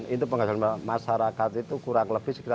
itu penghasilan masyarakat itu kurang lebih sekitar dua ribu an